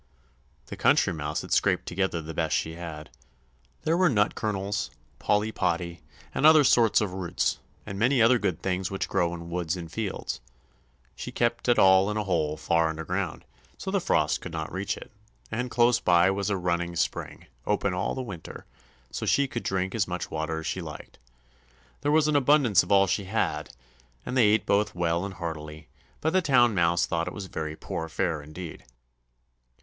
The Country Mouse had scraped together the best she had. There were nut kernels, polypody, and other sorts of roots, and many other good things which grow in woods and fields. She kept it all in a hole far under ground, so the frost could not reach it, and close by was a running spring, open all the winter, so she could drink as much water as she liked. There was an abundance of all she had, and they ate both well and heartily; but the Town Mouse thought it was very poor fare indeed.